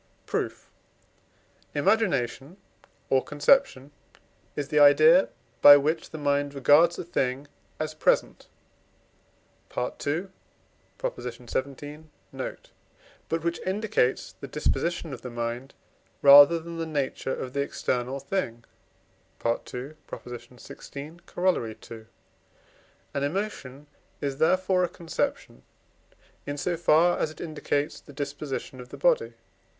Proof. Imagination or conception is the idea, by which the mind regards a thing as present (II. xvii. note), but which indicates the disposition of the mind rather than the nature of the external thing (II. xvi. Coroll. ii.). An emotion is therefore a conception, in so far as it indicates the disposition of the body.